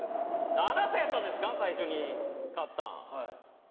あなただったんですか最初に買ったの。